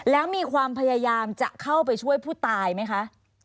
แล้วมีความพยายามจะเข้าไปช่วยผู้ตายไหมคะ